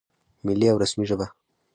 ملي او رسمي ژبه